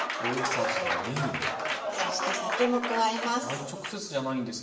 そして酒も加えます。